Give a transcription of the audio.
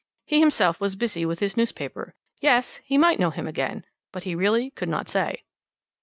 He himself was busy with his newspaper yes he might know him again but he really could not say.